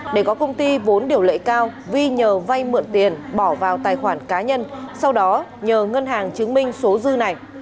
để có công ty vốn điều lệ cao vi nhờ vay mượn tiền bỏ vào tài khoản cá nhân sau đó nhờ ngân hàng chứng minh số dư này